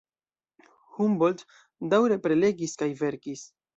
Humboldt daŭre prelegis kaj verkis.